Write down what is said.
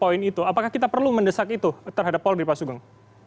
satu poin itu apakah kita perlu mendesak itu terhadap polri pak sugeng